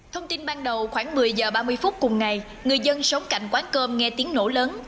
thông tin ban đầu khoảng một mươi giờ ba mươi phút cùng ngày người dân sống cạnh quán cơm nghe tiếng nổ lớn